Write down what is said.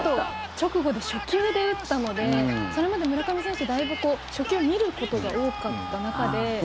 直後で初球で打ったのでそれまで村上選手ってだいぶ、初球見ることが多かった中で。